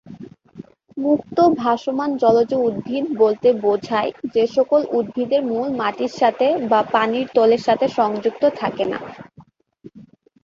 মুক্ত ভাসমান জলজ উদ্ভিদ বলতে বোঝায় যেসকল উদ্ভিদের মূল মাটির সাথে বা পানির তলের সাথে সংযুক্ত থাকেনা।